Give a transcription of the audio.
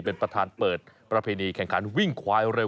เป็นประธานเปิดประเพณีแข่งขันวิ่งควายเร็ว